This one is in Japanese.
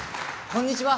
こんにちは。